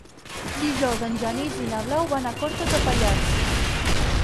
Dijous en Genís i na Blau van a Cortes de Pallars.